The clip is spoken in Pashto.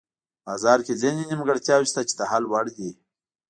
بازار کې ځینې نیمګړتیاوې شته چې د حل وړ دي.